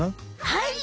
はい。